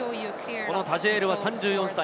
タジェールは３４歳。